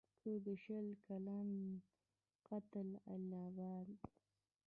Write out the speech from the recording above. که د شل کلن «قتل العباد»